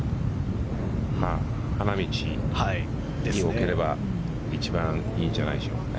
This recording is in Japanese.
花道に置ければ一番いいんじゃないですか。